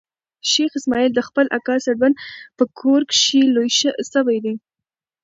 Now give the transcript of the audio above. شېخ اسماعیل د خپل اکا سړبن په کور کښي لوی سوی دئ.